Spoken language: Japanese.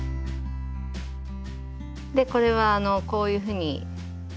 これはこういうふうに。